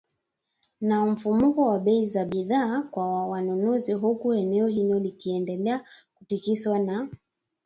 na mfumuko wa bei za bidhaa kwa wanunuzi huku eneo hilo likiendelea kutikiswa na